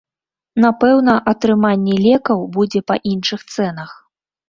Напэўна, атрыманне лекаў будзе па іншых цэнах.